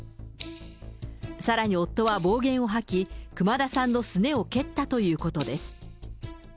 さらに夫は暴言を吐き、熊田さんのすねを蹴ったということです。